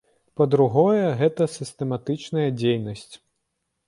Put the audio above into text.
Па-другое, гэта сістэматычная дзейнасць.